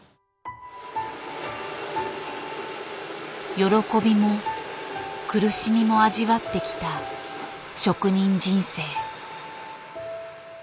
喜びも苦しみも味わってきた職人人生。